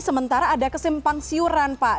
sementara ada kesimpang siuran pak